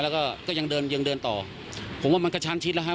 แล้วก็ก็ยังเดินยังเดินต่อผมว่ามันกระชั้นชิดแล้วฮะ